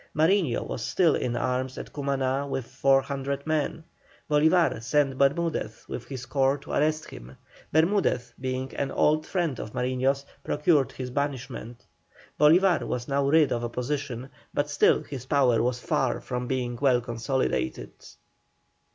Mariño was still in arms at Cumaná with 400 men. Bolívar sent Bermudez with his corps to arrest him. Bermudez being an old friend of Mariño's, procured his banishment. Bolívar was now rid of opposition, but still his power was far from being well consolidated.